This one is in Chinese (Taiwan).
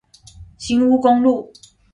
新烏公路